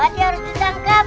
jadi harus ditangkap